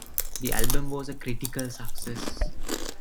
The album was a critical success.